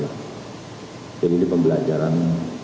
jadi ini pembelajaran